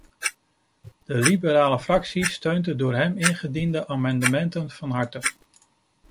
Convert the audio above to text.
De liberale fractie steunt de door hem ingediende amendementen van harte.